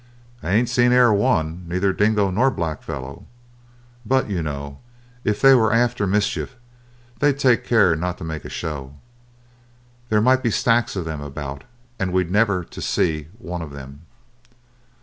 "I ain't seen e'er a one, neither dingo nor blackfellow. But, you know, if they were after mischief they'd take care not to make a show. There might be stacks of them about and we never to see one of them."